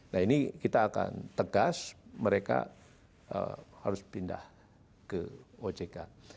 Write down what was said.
nah ini kita akan tegas mereka harus pindah ke ojk